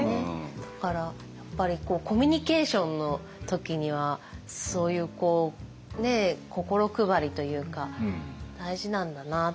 だからやっぱりコミュニケーションの時にはそういう心配りというか大事なんだなって改めて。